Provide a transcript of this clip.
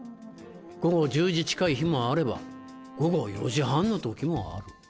午後１０時近い日もあれば午後４時半の時もある。